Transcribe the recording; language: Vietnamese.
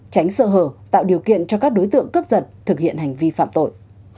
tránh sơ hở tạo điều kiện cho các đối tượng cướp giật thực hiện hành vi phạm tội